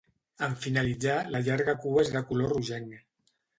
En finalitzar, la llarga cua és de color rogenc.